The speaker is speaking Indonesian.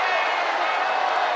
kalau longkang président prib louder